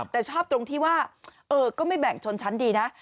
แต่ชอบตรงที่ว่าก็ไม่แบ่งชนชั้นดีนะ